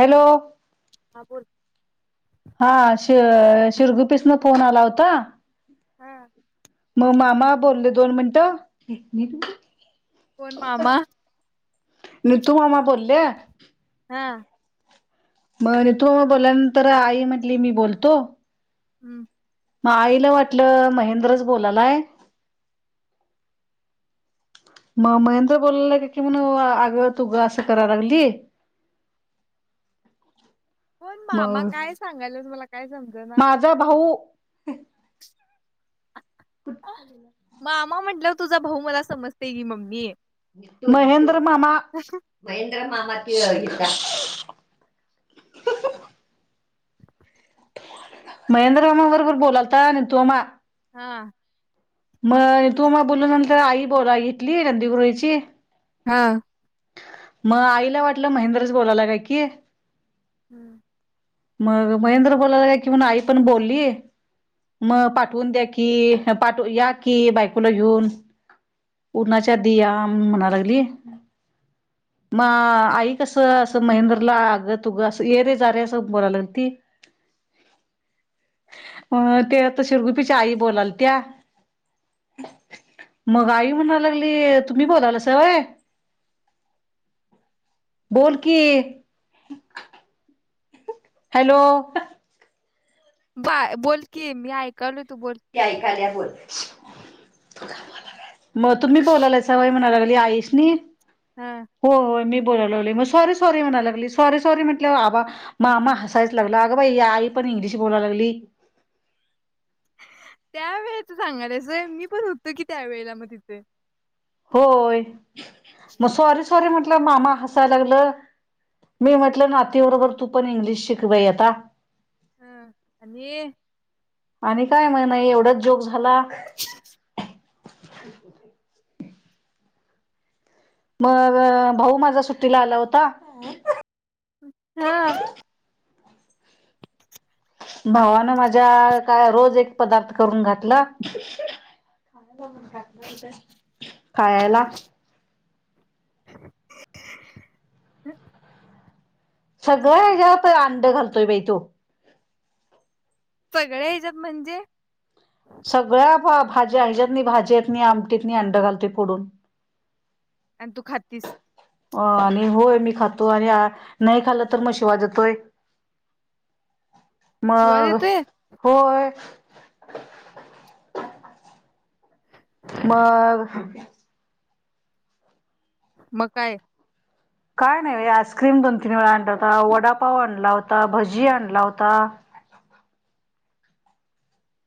Hello हा बोल हा श शिरगुपीस न फोन आला होता हा मग मामा बोलले दोन मिनटं कोण मामा तू मामा बोलल्या हा मग तु बोलल्यानंतर आई म्हटली मी बोलतो हम्म मग आईला वाटलं महेंद्रच बोलालाय मग महेंद्र बोलला का कि म्हण आगं तुग असं कराय लागली होय मामा मग काय सांगाल्यात मला काय समज ना ह कुठं मामा म्हंटलंवर तुझा भाऊ मला समजते की मम्मी महेंद्र मामा मामा [unintelligible] [inaudible] महेंद्र रामा बरोबर बोलालता नि तोमा हां मग तू मग बोलून नंतर आई बोला इ घेथली नंदीगृहीची हा म आईला वाटलं महेंद्रच बोलायला काय की [inaudible] मग महेंद्र बोलाय लागल्या कि आई पण बोलली मग पाठवून द्या की पाठ या की बायकोला घेऊन उन्हाच्या आधी म्हणांलागली म आई कसं असं महेंद्रला अगं तुगं अस ये रे जा रे तो बोलाल्याय आणि ती मग ते आता शिरगुपीच्या आई बोलालत्या मग आई म्हणांय लागली तुम्ही बोलालासा होय बोल की हॅलो? बाय बोल कि मी ऐकालोय न ते ऐकालियास‍ बोल म तुम्ही बोल्यायला सा होय म्हणायं लाग आईसनि‍ हा हो हो मी बोलाय लागलोय मग स्वारी स्वारी म्हणायला लागली सॉरी सॉरी म्हटल्यावर आबा मामा हसायचं लागलं अगं बाई आई पण इंग्लिश बोलाय लागली. त्या वेळेच सांगायलीस होय मी पण होतो की त्यावेेळेला मग तिथे. होय मग सॉरी सॉरी म्हट मामा हसाय लागलं मी म्हटलं नातीबरोबर तू पण इंग्लिश शिक बाई आता हम आणि आणि काय मग नाही एवढचं जोक झाला. [unintelligible] [unintelligible] मग भाऊ माझ्या सुट्टीला आला होता. हा भावानं माझ्या काय रोज एक पदार्थ करून घातलं खायला. ह् सगळं हेच्यात अंड घाल घालतोय बाई तो. सगळ्यां ह्याच्यात म्हणजे? सगळ्या फाब भाजी हेज्यात नी भाज्यातंनी आमटीतनी अंड घालतोय फोडून आणि तू खाततीस, अ आणि होय मी खातोय आणि नाही खालो तर मग शिवा देतोय. शिवाय मग देतोय होय मग मग काय? काय नाही बाई, आस्क्रीम दोन तीन वेळा आणला होता वडापाव आणला होता भजी आणला होता-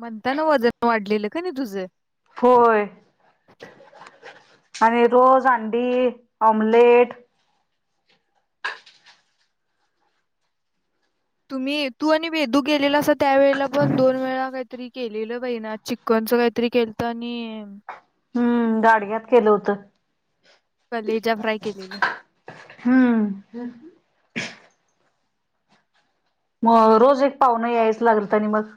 म्हणतांना वजन वाढलेलं कणी तूझं? होय आणि रोज अंडी ऑमलेट तुम्ही -तू आणि वेदु गेलेलासा ति त्या वेळेला पण दोन वेळा काहीतरी केलेलं बहिना चिककनच काहीतरी केलं त आणि- हम्म गाडग्यात केलं होत- कलेजा फ्राय केलेलं हम्म. मग रोज एक पाहुना यायचं लागल तनी मग-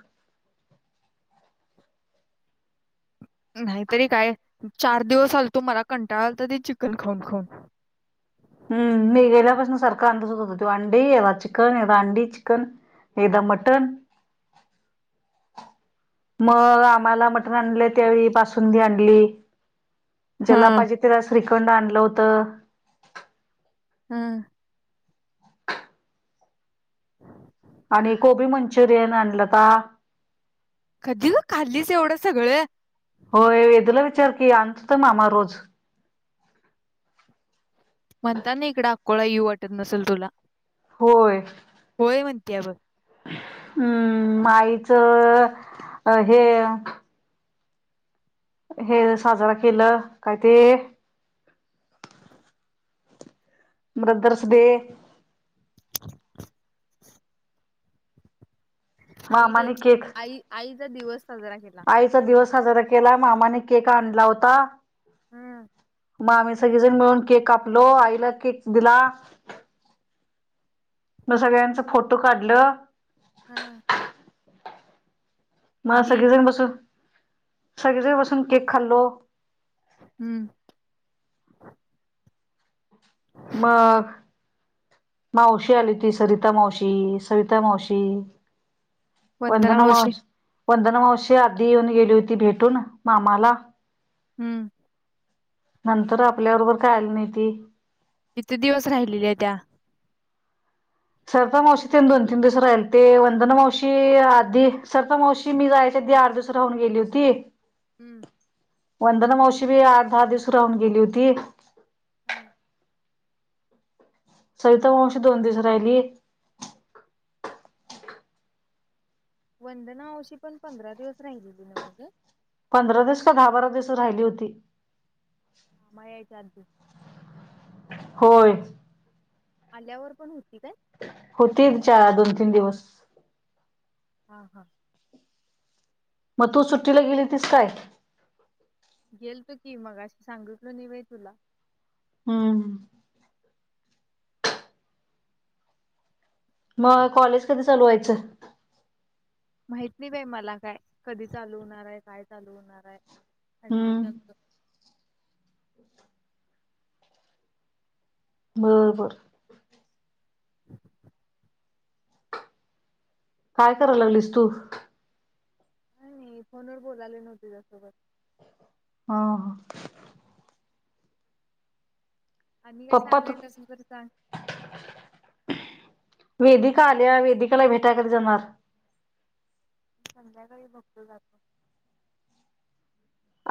नाहीतरी काय चार दिवस आलतो मला कंटाळा आलता ते चिकन खाऊन खाऊन- हम्- मी गेल्यापासून सारखं अंडच होत होत त अंडी चिकन, अंडी चिकन एकदा मटण- मग- आम्हाला मटण आणलं त्यावेळी बासुंदी आणली- हा जेलापायजे त्याला श्रीखंड आणलं होतं- हम. हम् आणि कोबी मंचुरियन आणला होता - कधी? ग खाल्लीस एवढं सगळं? होय, वेदूला विचार की आणतो तर मामा रोज- म्हणताना इकड अकोळा येवू वाटत नसेल तुला- होय होय म्हण- [unintelligible] हम्म. आईच हे- हे साजरा केलं. काय ते? ब्रदर्स डे- आयडे. मामाने केक आई, आई - दिवस- साजरा केला आईचा दिवस साजरा के- केला मामाने केक आणला होता. हम्म. मग आम्ही सगळेजण मिळून केक कापलो. आईला केक दिला. मग सगळ्यांच फोटो काढलं. हम्. मग सगळेजण बसून - सगळे जण बसून केक खाल्लो. हम्म. मग, मावशी आलीती सरिता मावशी, सविता मावशी- वन्दना मावशी - वंदना मावशी आधी येऊन गेली होती भेटून, मामाला- हम्म. नंतर आपल्या बरोबर काय आली नाही ती? किती दिवस राहिलेल्या त्या? सविता मावशी ते दोन तीन दिवस राहिल, ते वंदना मावशी आधी सविता मावशी मी जायच्या आधी आठ दिवस राहून गेली होती. हम्म. वंदना मावशी बी आठ दहा दिवस राहून गेली होती. हा. सविता मावशी दोन दिवस राहिली. वंदना मावशी पण पंधरा दिवस राहिलेली नव्ह ग. पंधरा दिवस का दहा बारा दिवसच राहिली होती. मामा यायच्या आधी. होय. आल्यावर पण होती काय? होतीत चा दोन तीन दिवस. हा हा. मग तू सुट्टीला गेली तीस काय? गेल तो की मगाशी सांगितलो नाही होय तुला. हम्. मग कॉलेज कधी चालू व्हायचं? माहित नाही बाई मला काय, कधी चालू होणार आहे? काय चालू होणार आहे. अडमिशनच हम्म बर बर. [inaudible] काय कराय लागलीस तु? काय नाही, फोनवर बोलालोय नव्हं तुझ्यासोबत. हा हा. आणि काय पप्पा तू सांगायचं असल तर सांग. वेदिका आल्या वेदिकाला भेटाय कधी जाणार? संध्याकाळी बघतो जातो.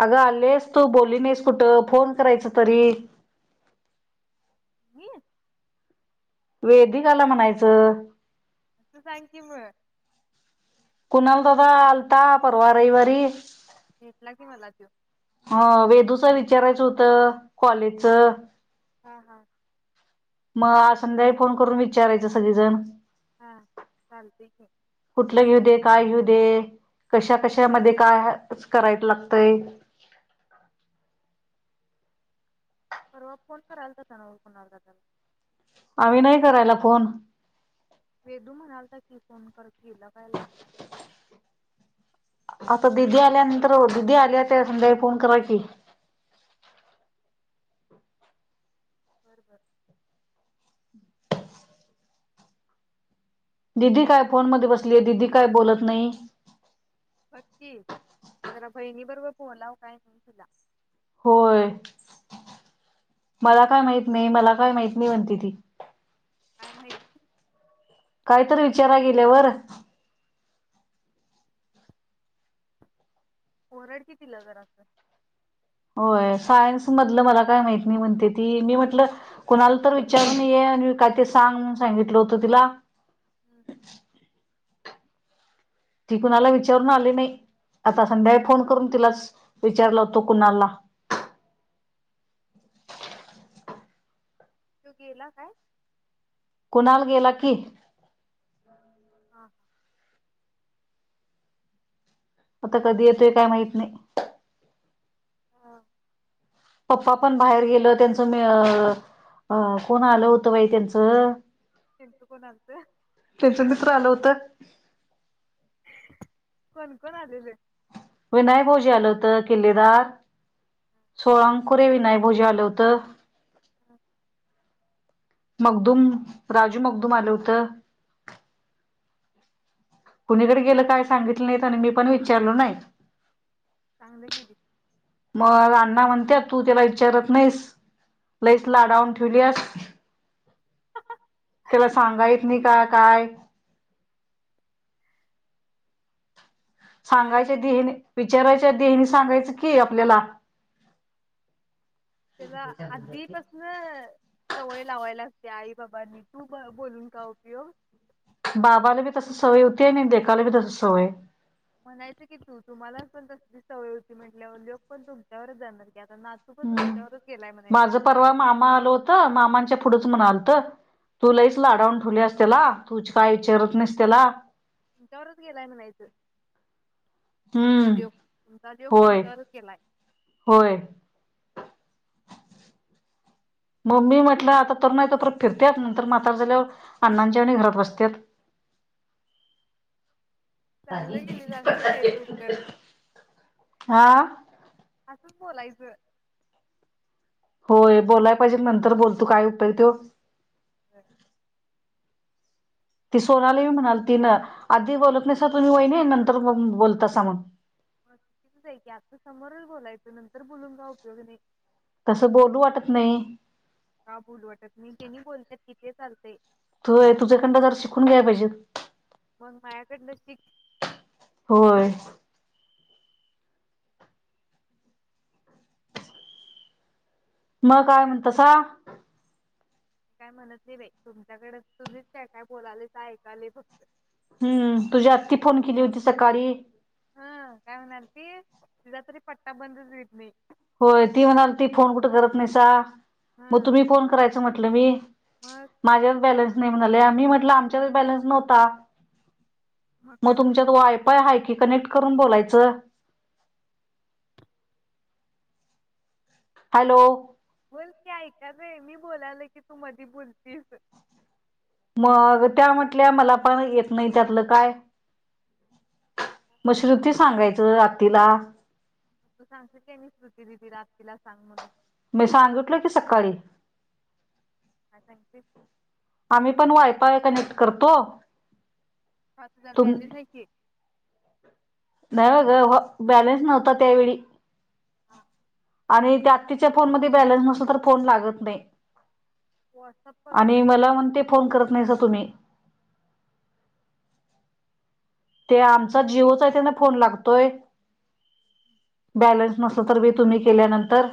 अगं आलेस तु, बोलली नाहीस कुठं? फोन करायचं तरी. मी. वेदिकाला म्हणायचं. असं सांग की मग. कुणाल दादा आलता परवा रविवारी. भेटला की मला त्यो. ह वेदूचा विचारायचं होतं कॉलेजच. हां हां. मग आज संध्याकाळी फोन करून विचारायचं सगळीजण. हा चालतय की. ते काय घेऊ दे? कशा कशामध्ये काय करायच लागतय? परवा फोन करालता तो नव कोणाल दादाला. आम्ही नाही करायला फोन. वेदू म्हणालता की फोन करल हिला काय लागला नाही पगार. आता दिदी आल्यानंतर दीदी आल्या त्या संध्याकाळी फोन करा कि. बर बर. दिदी काय फोन मध्ये बसलीये, दिदी काय बोलत नाही. बघ की जरा बहिणी बरोबर बोलाव काय नाही तिला. होय मला काय माहित नाही, मला काय माहीत नाही म्हणते ती. काय माहित कायतर विचाराय गेल्यावर ओरड की तिला जरास. होय, सायन्स मधलं मला काय माहत नाही म्हणते ती, मी म्हटलं कुणाला तर विचारून ये आणि काय ते सांग म्हनून सांगितलं होतं तिला. हम्. ती कुणाला विचारून आली नाही. आता संध्याळी फोन करून तिलाच विचारला होतो कुणालला. [inaudible] तो गेला काय? कुणाल गेला की. हा हा. [inaudible] आता कधी येतोय काय माहित नाही. हा. पप्पा पण बाहेर गेल. त्यांचं मी अ अ कोण आलं होतं बाई त्यांचं त्यांचं कोण आलत त्यांचं मित्र आलं होत. कोण-कोण आलेले? विनय भाऊजी आलं होतं. किल्लेदार, सोळांकुरे, विनय भाऊजी आलं होतं. ह. मगदूम, राजू मगदूम आलं होतं. कुणीकड गेलं काय सांगितलं नाहीत आणि मी पण विचारलो नाही. चांगलं गेली [inaudible] मग अण्णा म्हण त्यात तू त्याला विचारत नाहीस. लईच लाडावून ठेवलीयास. त्याला सांगाय येत नाही काय? आई सांगायच्या आदि हेनी विचारा त्या देवी सांगायचं की आपल्याला [inaudible] त्याला आधीपसन सवय लावाय लाग त्या आई-बाबांनी तू काय बोलून काय उपयोग? बाबाला बी तस सवय होतीय आणि लेकला बी तसी सवय. म्हणायच की, तू तुम्हाला पण तसलीच सवय होती म्हंटल्यावर ल्योक पण तुमच्यावरच जाणार. की आता नातू पण हम्म, तुमच्यावरच गेलाय माझ म्हणायचं परवा मामा आल होत मामांच्या पुढ म्हणालत तु लईच लाडावून ठेवल्यास त्याला तुच काय विचारत नाहीस त्याला तुमच्यावरच गेलाय म्हणायचं. तुमचा हम्म ल्योक, तुमचा ल्योक होय तुमच्यावरच गेलाय. [inaudible] होय मम्मी म्हटला आता तरुण हाय तोपर्यंत फिरत्यात नंतर म्हातार झाल्यावर अण्णांच्या वाणि घरात बसत्यात. चांगलं गेली असंच द्यायचं उत्तर [inaudible] [inaudible] हा. असंच बोलायचं. [inaudible] होय बोलाय पाहिजे नंतर बोलतो काय उपेग त्यो ह. [inaudible] ती सोनाली म्हणालती न आधी बोलत नाहीसा तुम्ही वईनी नंतर मग बोलतासा मंग. म चुकीचच आहे की आता समोरच बोलायचो नंतर बोलून काय उपयोग नाही. तसं बोलू वाटत नाही [inaudible] का बोलू वाटत नाही, त्यांनी बोलत्यात की ते चाल तू तुझ्याकंडंन जरा शिकून घ्याय पाहिजेत. [inaudible] शिक होय मग काय म्हणतासा काय म्हणतनी बाई तुमच्याकड, तुम्हीच त्या काय काय बोलायलायसा, ऐकलोय फक्त हम्म तुझ्या आत्ती फोन केली होती सकाळी हा काय म्हणालती, तिचा तरी पट्टा बंदच होत नाही होय, ती म्हणालती फोन कुठं करत नाहीसा हा मग तुम्ही फोन करायच म्हटलं मी मग माझ्यात बॅलन्स नाही म्हणाले आम्ही म्हटलं आमच्यातच बॅलन्स नव्हता. काय मग तुमच्यात म्हणाली वायफय आहे की कनेक्ट करून बोलायचं हॅलो बोल की ऐका लोय मी बोलायला की तू मधी बोलतीस मग त्या म्हटल्या मला पण येत नाही त्यातलं काय, मग श्रुती सांगायचं आतीला तू सांगशील की नाही श्रुती दीदीला आतीला सांग म्हणून मी सांगितल की सकाळी काय सांगितलीस? आम्ही पण वायफाय कनेक्ट करतो सात हजार तुम बॅलन्स हाय की नाही ग बॅलेन्स नव्हता त्यावेळी हा ह आणि ते आत्तीच्या फोनमध्ये बॅलन्स नसल तर फोन लागत नाही. व्हॉट्सअप कॉल आणि करायचं मला मग म्हणते फोन करत नाहीसा तुम्ही ते आमचा जिओचा आहे त्यांना फोन लागतोय बॅलन्स नसल तर बी तुम्ही केल्यानंतर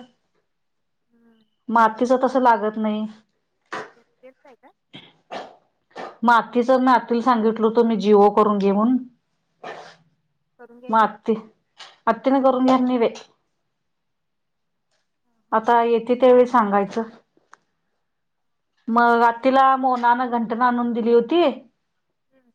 हम्म. म आत्तीच तसं लागत नाही तेच आहे ना मग आातीच, मी आतीला सांगितलत मी जिओ करून घे म्हणून करून मग घ्यायनी आती आत्तीनं करुन घ्याय नाही बाई हा, हा. आता येते त्यावेेळेस सांगायच, मग आत्तीला मोनांन आणून दिली होती. हम्म